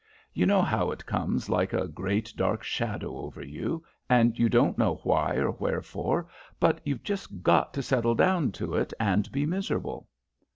You know how it comes like a great dark shadow over you, and you don't know why or wherefore, but you've just got to settle down to it and be miserable."